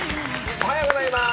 おはようございます。